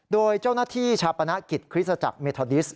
โดยเจ้าหน้าที่ชาปนกิจคริสตจักรเมทอดิส